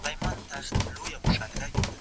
یار د دوبۍ درهم راوړي خانه یې کړمه